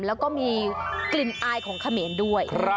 แล้วก็มีกลิ่นอายของเขมรด้วย